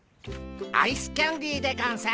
アイスキャンデーでゴンス。